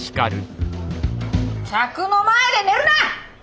客の前で寝るな！